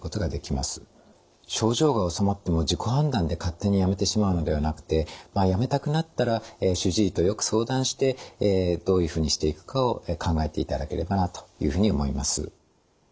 症状がおさまっても自己判断で勝手にやめてしまうのではなくてやめたくなったら主治医とよく相談してどういうふうにしていくかを考えていただければなというふうに思います。